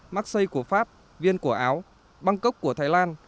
maxi của pháp viên của áo bangkok của thái lan